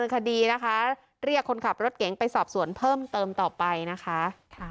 คดีนะคะเรียกคนขับรถเก๋งไปสอบสวนเพิ่มเติมต่อไปนะคะ